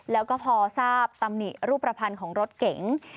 แล้วก็พอทราบตำหนิรูปภัณฑ์ของรถเก๋ง